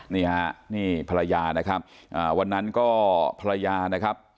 นี่ฮะนี่ภรรยานะครับวันนั้นก็ภรรยานะครับ